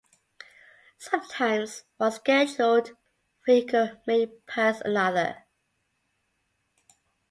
Sometimes one scheduled vehicle may pass another.